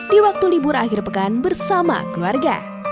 di waktu libur akhir pekan bersama keluarga